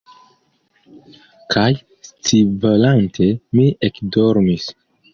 Kaj scivolante, mi ekdormis.